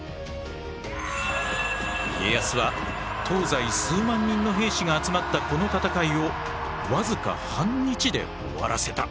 家康は東西数万人の兵士が集まったこの戦いを僅か半日で終わらせた。